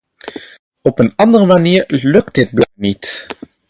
Op een andere manier lukt dit blijkbaar niet.